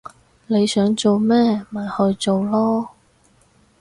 你想做乜咪去做囉